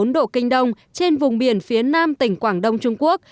một trăm một mươi ba bốn độ kinh đông trên vùng biển phía nam tỉnh quảng đông trung quốc